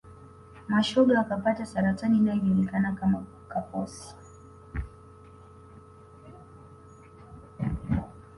mashoga wakapata saratani inayojulikana kama kaposi